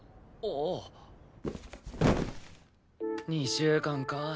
２週間か。